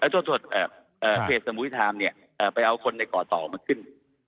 โทษเพจสมุยทามเนี่ยไปเอาคนในเกาะสมุยมาขึ้น